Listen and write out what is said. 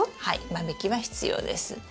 はい間引きは必要です。